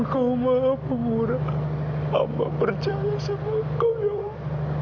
kau maha pemura hamba berjalan sama kau ya allah